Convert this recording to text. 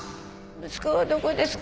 息子はどこですか？